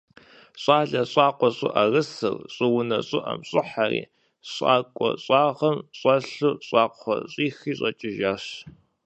Щӏалэ щӏакъуэ щӏыӏэрысыр щӏыунэ щӏыӏэм щӏыхьэри, щӏакӏуэ щӏагъым щӏэлъу щӏакхъуэ щӏихри щӏэкӏыжащ.